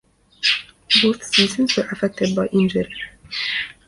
Both seasons were affected by injury.